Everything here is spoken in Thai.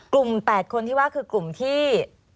๘คนที่ว่าคือกลุ่มที่